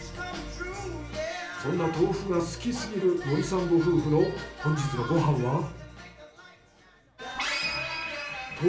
そんな豆腐が好きすぎる森さんご夫婦の本日のご飯は。